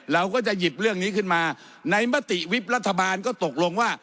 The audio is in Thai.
เราก็จะหยิบเรื่องนี้ขึ้นมาในมติวิบรัฐบาลก็ตกลงว่า